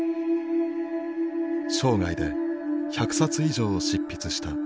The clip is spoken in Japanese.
生涯で１００冊以上を執筆した立花さん。